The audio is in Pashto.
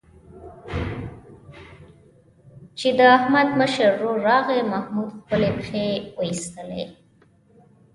چې د احمد مشر ورور راغی، محمود خپلې پښې وایستلې.